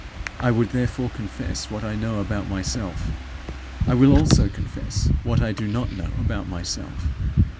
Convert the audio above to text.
I would therefore confess what I know about myself; I will also confess what I do not know about myself.